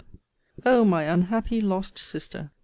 O MY UNHAPPY LOST SISTER!